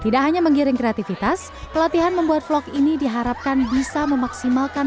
tidak hanya menggiring kreativitas pelatihan membuat vlog ini diharapkan bisa memaksimalkan